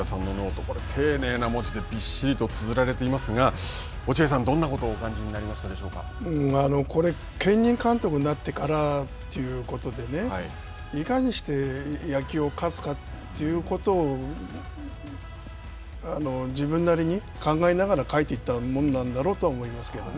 これ、丁寧な文字でびっしりとつづられていますが落合さん、どんなことをお感じにこれ、兼任監督になってからということでねいかにして野球で勝つかということを自分なりに考えながら書いていったもんなんだろうと思いますけどね。